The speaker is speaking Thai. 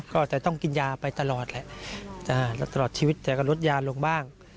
ก็จะต้องกินยาไปตลอดแหละลดตลอดชีวิตแต่ก็ลดยาลงบ้าง